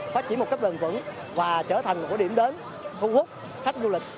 phát triển một cách bền vững và trở thành một điểm đến thu hút khách du lịch